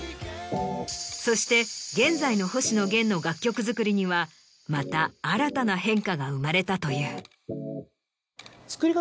そして現在の星野源の楽曲作りにはまた新たな変化が生まれたという。